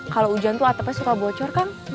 kalau hujan tuh atapnya suka bocor kang